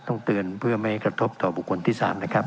ต้องเตือนเพื่อไม่กระทบต่อบุคคลที่๓นะครับ